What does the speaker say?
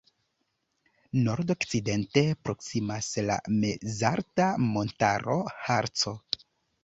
Nordokcidente proksimas la mezalta montaro Harco.